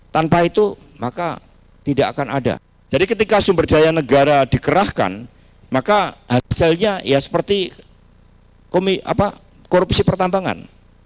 tanpa itu maka tidak akan ada jadi ketika sumber daya negara dikerahkan maka hasilnya ya seperti korupsi pertambangan